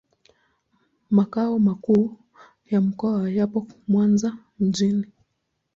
Makao makuu ya mkoa yapo Mwanza mjini.